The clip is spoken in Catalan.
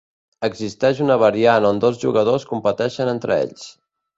Existeix una variant on dos jugadors competeixen entre ells.